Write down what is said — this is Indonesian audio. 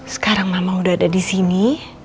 sekarang mama udah ada disini